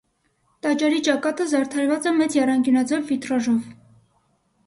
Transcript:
Տաճարի ճակատը զարդարված է մեծ եռանկյունաձև վիտրաժով։